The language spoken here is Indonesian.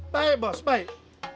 baik bos baik